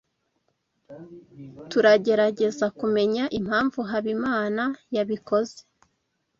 Tuzagerageza kumenya impamvu Habimana yabikoze.